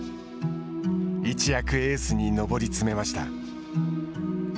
一躍エースに上り詰めました。